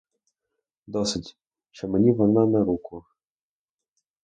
Досить, що мені вона на руку.